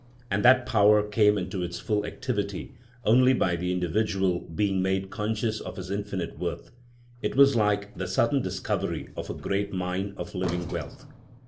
And that power came into its full activity only by the individual being made conscious of his infinite worth. It was like the sudden discovery of a great mine of living wealth.